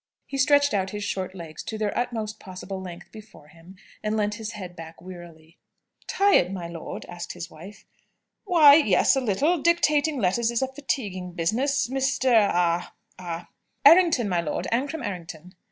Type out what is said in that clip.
He stretched out his short legs to their utmost possible length before him, and leant his head back wearily. "Tired, my lord?" asked his wife. "Why, yes, a little. Dictating letters is a fatiguing business, Mr. a a " "Errington, my lord; Ancram Errington."